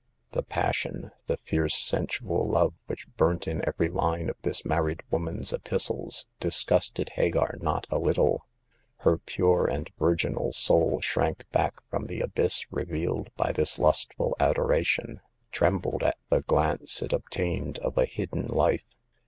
The passion, the fierce sensual love which burnt in every line of this married woman's epistles, disgusted Hagar not a little. Her pure and vir ginal soul shrank back from the abyss revealed by this lustful adoration ; trembled at the glimpse it obtained of a hidden life.